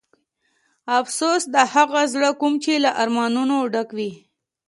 افسوس د هغه زړه کوم چې له ارمانونو ډک و.